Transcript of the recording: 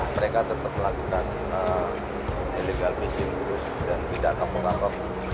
mereka tetap melakukan illegal fishing terus dan tidak kampung kampung